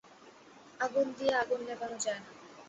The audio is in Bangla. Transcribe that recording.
আগুন দিয়া আগুন নেবানো যায় না।